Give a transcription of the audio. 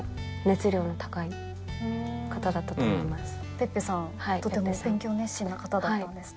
ペッペさんとても勉強熱心な方だったんですね。